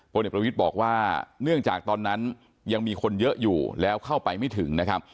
เด็กประวิทย์บอกว่าเนื่องจากตอนนั้นยังมีคนเยอะอยู่แล้วเข้าไปไม่ถึงนะครับ